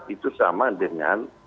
itu sama dengan